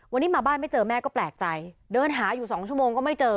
วันนี้มาบ้านไม่เจอแม่ก็แปลกใจเดินหาอยู่สองชั่วโมงก็ไม่เจอ